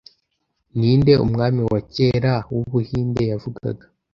Ninde, Umwami wa kera wu Buhinde yavugaga